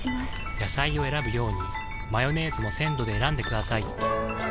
野菜を選ぶようにマヨネーズも鮮度で選んでくださいん！